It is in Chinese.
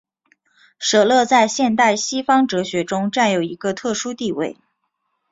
舍勒在现代西方哲学中占有一个特殊地位。